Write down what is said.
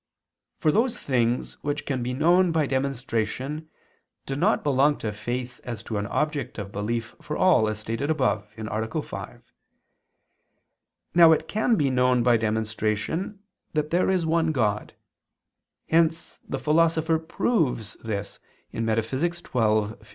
For those things, which can be known by demonstration, do not belong to faith as to an object of belief for all, as stated above (A. 5). Now it can be known by demonstration that there is one God; hence the Philosopher proves this (Metaph. xii, text.